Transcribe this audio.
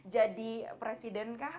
jadi presiden kah